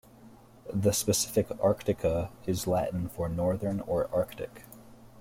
The specific "arctica" is Latin for "northern" or "Arctic".